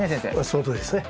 そのとおりですね。